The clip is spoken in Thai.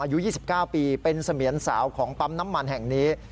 อายุ๒๙ปีเป็นเสมียนสาวของปั๊มน้ำมันแห่งนี้